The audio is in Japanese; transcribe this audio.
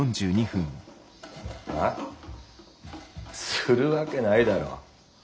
するわけないだろう。